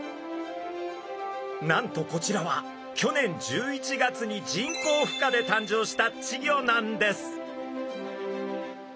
なんとこちらは去年１１月に人工ふ化で誕生した稚魚なんです。